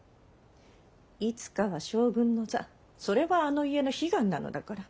いつかは将軍の座それはあの家の悲願なのだから。